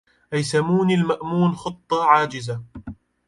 أيسومني المأمون خطة عاجز